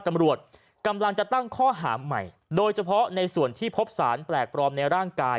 ตำรวจกำลังจะตั้งข้อหาใหม่โดยเฉพาะในส่วนที่พบสารแปลกปลอมในร่างกาย